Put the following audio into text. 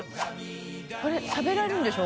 これ食べられるんでしょ？